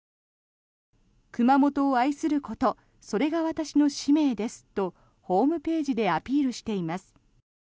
熊本を愛することそれが私の使命ですとホームページでアピールしています。